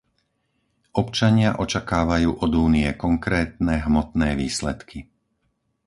Občania očakávajú od Únie konkrétne, hmotné výsledky.